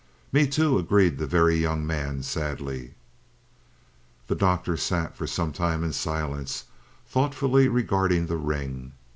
"Me, too," agreed the Very Young Man sadly. The Doctor sat for some time in silence, thoughtfully regarding the ring.